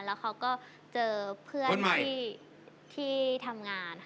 แล้วเขาก็เจอเพื่อนที่ทำงานค่ะ